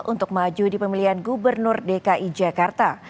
untuk maju di pemilihan gubernur dki jakarta